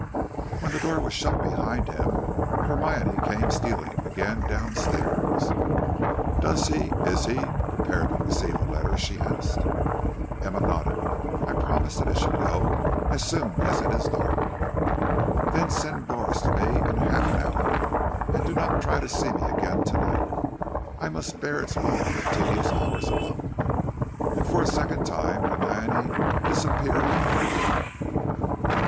When the door was shut behind him, Hermione came stealing again down stairs. "Does he is he prepared to receive the letter?" she asked. Emma nodded. "I promised that it should go as soon as it is dusk." "Then send Doris to me in half an hour; and do not try to see me again to night. I must bear its long and tedious hours alone." And for a second time Hermione disappeared from the room.